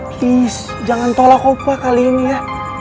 please jangan tolak opa kali ini ya